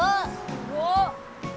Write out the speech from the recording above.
すごっ！